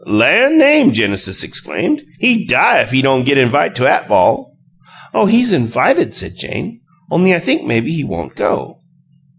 "Lan' name!" Genesis exclaimed. "He die ef he don' git INvite to 'at ball!" "Oh, he's invited," said Jane. "Only I think maybe he won't go."